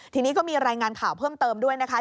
ทีนี้ก็มีรายงานข่าวเพิ่มเติมด้วยนะคะ